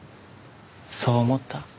そう思った。